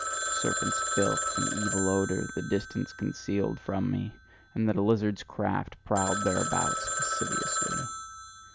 Serpents' filth and evil odour, the distance concealed from me: and that a lizard's craft prowled thereabouts lasciviously.